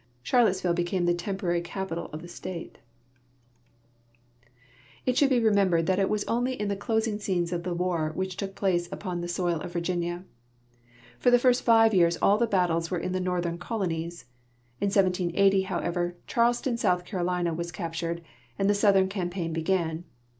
Charlottesville became the tem[)orary capital of the state. 276 ALBEMARLE IN REVOLUTIONARY DAYS It should 1)6 remembered that it was only the closing scenes of the war Avhicli took place upon the soil of Virginia. For the first five years all the battles were in the northern colonies. In 1780, however, Charleston, South Carolina, was captured, and the southern campaign began.